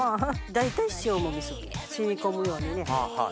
大体塩揉みする染み込むようにね。